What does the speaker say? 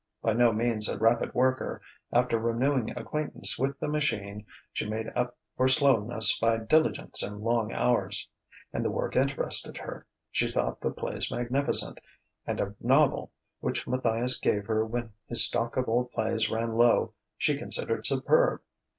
By no means a rapid worker, after renewing acquaintance with the machine she made up for slowness by diligence and long hours. And the work interested her: she thought the plays magnificent; and a novel which Matthias gave her when his stock of old plays ran low she considered superb.